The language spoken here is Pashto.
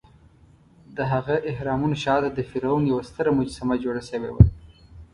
دهغه اهرامونو شاته د فرعون یوه ستره مجسمه جوړه شوې وه.